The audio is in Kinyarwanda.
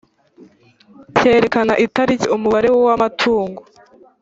cyerekana itariki umubare w amatungo